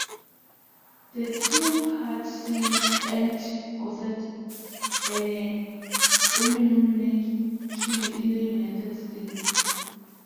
The two-part series earned Gossett an Emmy nomination in the United States.